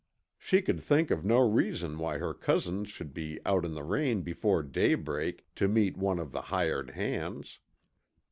She could think of no reason why her cousins should be out in the rain before daybreak to meet one of the hired hands.